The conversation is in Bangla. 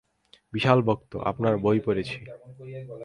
বিশাল ভক্ত, আপনার বই পড়েছি।